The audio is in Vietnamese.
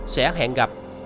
sẽ hẹn gặp